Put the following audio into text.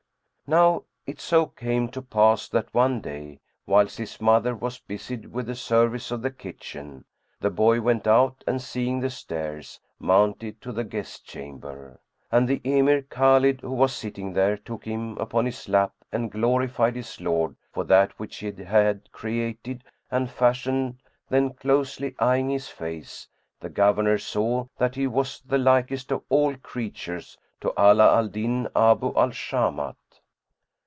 Now it so came to pass that one day, whilst his mother was busied with the service of the kitchen, the boy went out and, seeing the stairs, mounted to the guest chamber.[FN#110] And the Emir Khбlid who was sitting there took him upon his lap and glorified his Lord for that which he had created and fashioned then closely eyeing his face, the Governor saw that he was the likest of all creatures to Ala al Din Abu al Shamat.